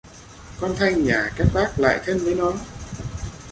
Con thanh nhà các bác lại thân với nó